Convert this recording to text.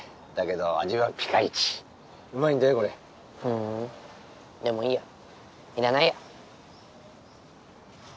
ふんでもいいや。いらないや。